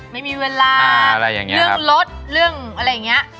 ไม่มีเวลาเรื่องรถเรื่องอะไรอย่างนี้